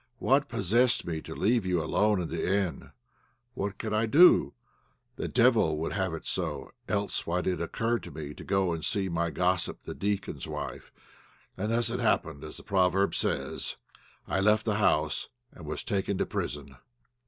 What possessed me to leave you alone in the inn? But what could I do; the devil would have it so, else why did it occur to me to go and see my gossip the deacon's wife, and thus it happened, as the proverb says, 'I left the house and was taken to prison.'